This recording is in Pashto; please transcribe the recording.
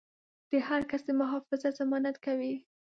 د هر کس د محافظت ضمانت کوي.